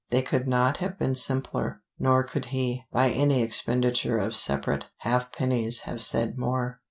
They could not have been simpler, nor could he, by any expenditure of separate half pennies have said more.